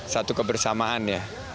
satu kebersamaan ya